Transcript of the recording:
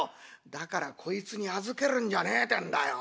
「だからこいつに預けるんじゃねえてんだよ。